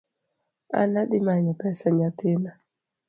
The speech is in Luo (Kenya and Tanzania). An adhi manyo pesa nyathina